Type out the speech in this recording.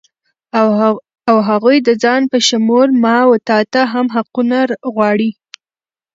او هغوی د ځان په شمول ما و تاته هم حقونه غواړي